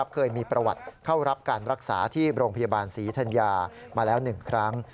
เคยมีประวัติเข้ารับการรักษาที่โรงพยาบาลศรีธัญญามาแล้ว๑ครั้ง